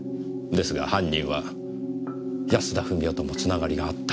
ですが犯人は安田富美代ともつながりがあった。